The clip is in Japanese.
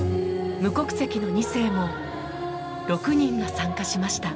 無国籍の２世も６人が参加しました。